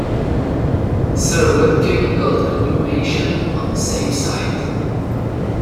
Sir Watkin built a new mansion on the same site.